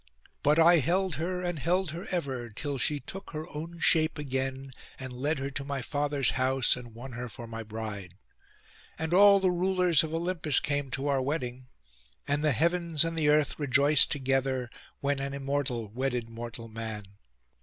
But I held her and held her ever, till she took her own shape again, and led her to my father's house, and won her for my bride. And all the rulers of Olympus came to our wedding, and the heavens and the earth rejoiced together, when an Immortal wedded mortal man.